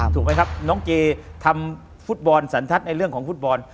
ถูกไหมครับน้องเจทำฟุตบอลสันทัศน์ในเรื่องของฟุตบอล